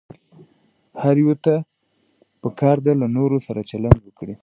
هر يوه ته پکار ده له نورو سره چلند وکړي.